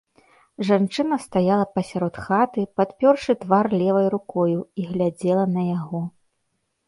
Жанчына стаяла пасярод хаты, падпёршы твар левай рукою, і глядзела на яго.